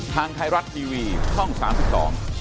ทางไทยรัฐทีวีช่องสามสิบสอง